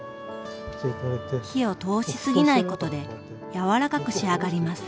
火を通し過ぎないことで柔らかく仕上がります。